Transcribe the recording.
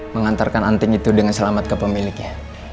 mengantarkan anting itu dengan selamat ke pemiliknya